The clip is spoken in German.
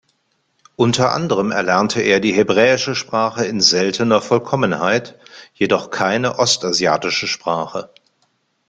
Unter anderem erlernte er die Hebräische Sprache in seltener Vollkommenheit, jedoch keine ostasiatische Sprache.